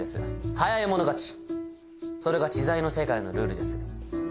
早い者勝ちそれが知財の世界のルールです。